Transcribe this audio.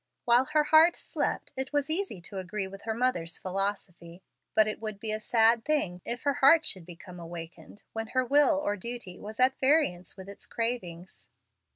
While her heart slept, it was easy to agree with her mother's philosophy. But it would be a sad thing for Charlotte Marsden if her heart should become awakened when her will or duty was at variance with its cravings.